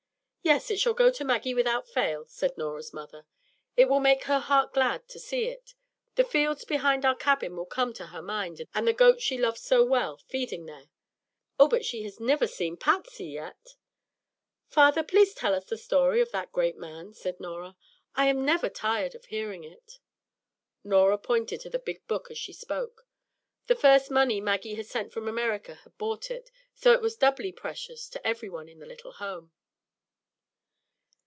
"Yes, it shall go to Maggie without fail," said Norah's mother. "It will make her heart glad to see it. The fields behind our cabin will come to her mind, and the goat she loved so well, feeding there. Oh, but she has niver seen Patsy yet!" "Father, please tell us the story of that great man," said Norah. "I am never tired of hearing it." Norah pointed to the big book as she spoke. The first money Maggie had sent from America had bought it, so it was doubly precious to every one in the little home.